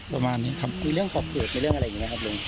ประมาณนี้ครับมีเรื่องขอบเขตมีเรื่องอะไรอย่างนี้ครับลุง